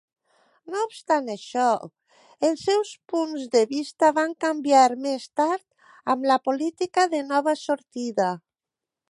No obstant això, els seus punts de vista van canviar més tard amb la política de Nova Sortida.